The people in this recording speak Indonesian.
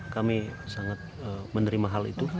kami sangat menerima hal itu